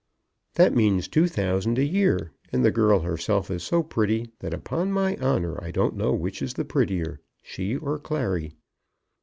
"That means two thousand a year; and the girl herself is so pretty, that upon my honour I don't know which is the prettier, she or Clary.